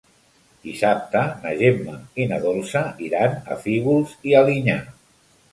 Dissabte na Gemma i na Dolça iran a Fígols i Alinyà.